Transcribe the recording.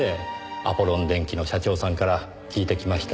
アポロン電機の社長さんから聞いてきました。